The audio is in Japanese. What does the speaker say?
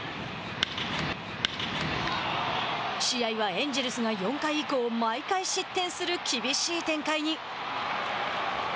試合はエンジェルスが４回以降毎回失点する厳しい展開に。